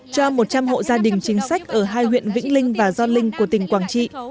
cho một trăm linh hộ gia đình chính sách ở hai huyện vĩnh linh và gion linh của tỉnh quảng trị